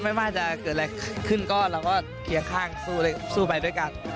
ไม่ว่าจะเกิดอะไรขึ้นก็เราก็เคียงข้างสู้ไปด้วยกัน